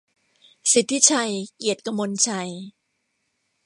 สิทธิชัย เกียรติกมลชัย